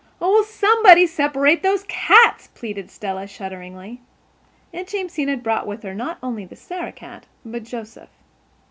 "Oh, will somebody separate those cats?" pleaded Stella, shudderingly. Aunt Jamesina had brought with her not only the Sarah cat but Joseph.